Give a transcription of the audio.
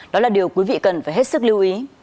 đó là điều quý vị cần phải hết sức lưu ý